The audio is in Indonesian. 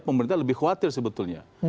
pemerintah lebih khawatir sebetulnya